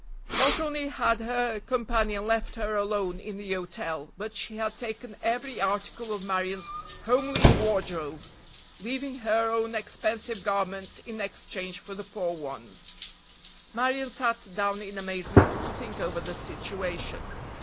Not only had her companion left her alone in the hotel, but she had taken every article of Marion's homely wardrobe, leaving her own expensive garments in exchange for the poor ones. Marion sat down in amazement to think over the situation.